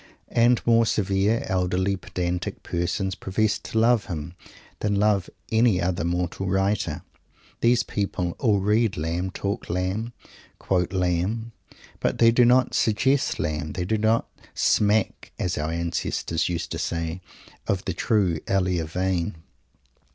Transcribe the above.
And more severe, elderly, pedantic persons profess to love him than love any other mortal writer. These people all read Lamb, talk Lamb, quote Lamb, but they do not suggest Lamb; they do not "smack," as our ancestors used to say, of the true Elia vein.